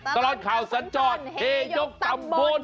ตลอดข่าวสัญจรเฮยกตำบล